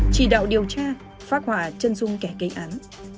chỉ đạo điều tra phát hỏa chân dung kẻ gây án